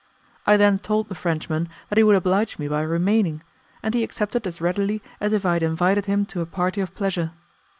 I then told the Frenchman that he would oblige me by remaining, and he accepted as readily as if I had invited him to a party of pleasure.